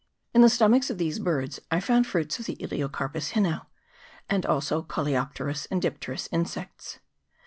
In the stomachs of these birds I found fruits of the Elaeocarpus hinau, and also coleopterous and dipterous insects.